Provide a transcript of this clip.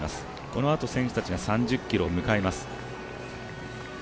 このあと選手たちが３５ｋｍを迎えます。